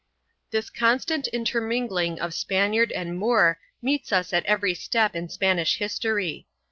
This constant intermingling of Spaniard and Moor meets us at 9 every step in Spanish history.